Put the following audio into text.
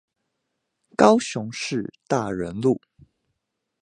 高雄市大仁路